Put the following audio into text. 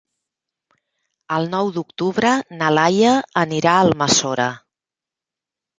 El nou d'octubre na Laia anirà a Almassora.